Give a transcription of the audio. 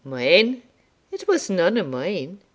"Mine! it was none of mine.